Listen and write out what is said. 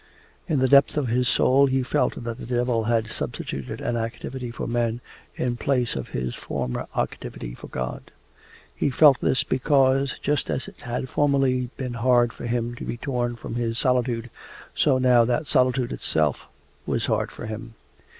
In the depth of his soul he felt that the devil had substituted an activity for men in place of his former activity for God. He felt this because, just as it had formerly been hard for him to be torn from his solitude so now that solitude itself was hard for him.